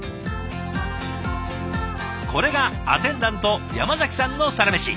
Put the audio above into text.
これがアテンダント山崎さんのサラメシ。